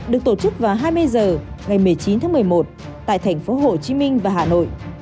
được tổ chức vào hai mươi h ngày một mươi chín tháng một mươi một tại thành phố hồ chí minh và hà nội